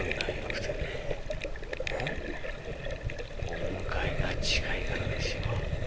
お迎えが近いからでしょう。